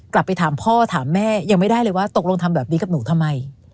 กลับไปถามพ่อถามแม่ยังไม่ได้เลยว่าตกลงทำแบบนี้กับหนูทำไม